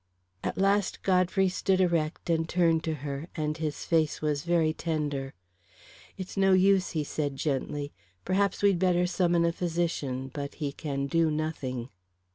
At last Godfrey stood erect and turned to her, and his face was very tender. "It's no use," he said gently. "Perhaps we'd better summon a physician; but he can do nothing."